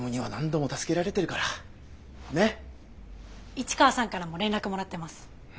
市川さんからも連絡もらってます。